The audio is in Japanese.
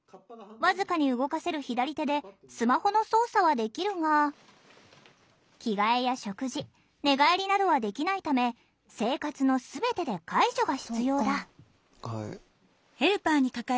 僅かに動かせる左手でスマホの操作はできるが着替えや食事寝返りなどはできないため生活の全てで介助が必要だ。